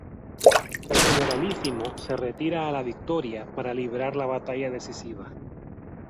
El Generalísimo se retira a La Victoria para librar la batalla decisiva.